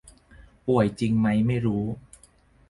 ป่วยจริงไหมไม่รู้